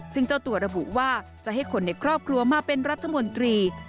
ซึ่งเจ้าตัวระบุว่าจะให้คนในครอบครัวมาเป็นรัฐมนตรี